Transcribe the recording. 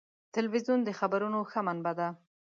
تلویزیون د خبرونو ښه منبع ده.